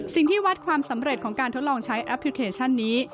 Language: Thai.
สิ่งที่วัดความสำเร็จของการทดลองใช้แอปพลิเคชันนี้